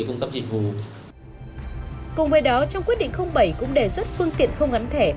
cùng với đó trong quyết định bảy cũng đề xuất phương tiện không gắn thẻ